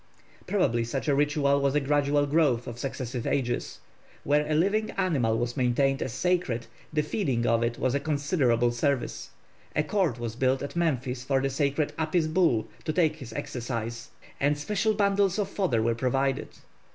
Probably such a ritual was a gradual growth of successive ages. Where a living animal was maintained as sacred, the feeding of it was a considerable service. A court was built at Memphis for the sacred Apis bull to take his exercise, and special bundles of fodder were provided.